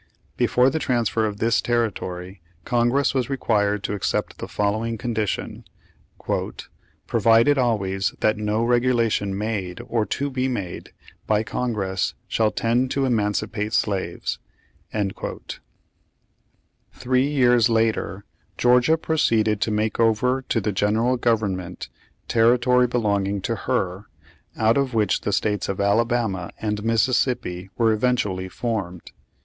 Before the transfer of this territory Congress was re quired to accept the following condition: "Pro vided always, that no regulation made, or to be made, by Congress, shall tend to emancipate slaves." Three years later Georgia proceeded to make over to the General Government territory belong ing to her, out of which the states of Alabama and Mississippi were eventually formed.